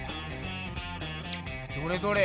どれどれ？